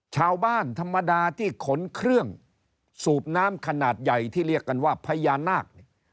ชาวบ้านธรรมดาที่ขนเครื่องสูบน้ำขนาดใหญ่ที่เรียกกันว่าพญานาค